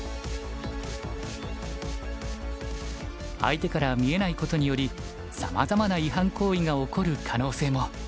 相手から見えないことによりさまざまな違反行為が起こる可能性も。